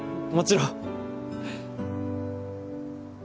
もちろん！